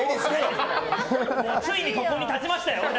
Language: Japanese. ついに、ここに立ちましたよ。